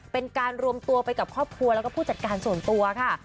เป็นการรวมตัวไปกับครอบครัวแล้วก็ผู้จัดการส่วนตัวค่ะ